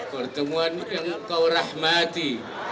pertemuan yang kau rahmati